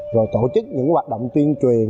rồi tổ chức những hoạt động tuyên truyền